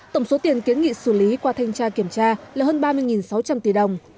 tổng số tiền kiến nghị xử lý qua thanh tra kiểm tra là hơn ba mươi sáu trăm linh tỷ đồng